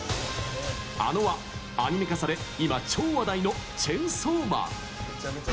ａｎｏは、アニメ化され今、超話題の「チェンソーマン」。